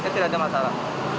tidak ada masalah